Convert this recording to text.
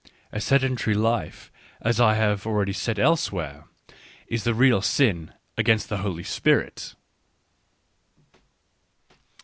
^ A sedentary life, as I have already said elsewhere, is the real sin against the Holy Spirit.